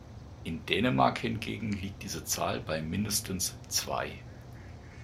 In Dänemark hingegen liegt diese Zahl bei mindestens zwei.